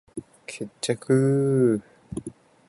決着ゥゥゥゥゥ！